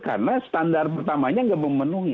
karena standar pertamanya nggak memenuhi